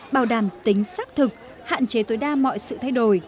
bảo đảm tính xác thực hạn chế tối đa mọi sự thay đổi